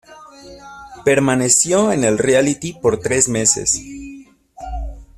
Permaneció en el reality por tres meses.